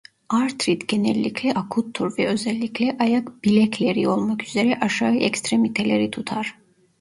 Artrit genellikle akuttur ve özellikle ayak bilekleri olmak üzere aşağı ekstremiteleri tutar.